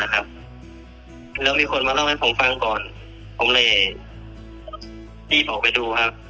แล้วมีคนมาเล่าให้ผมฟังก่อนผมเลยรีบออกไปดูครับ